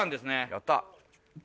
やった。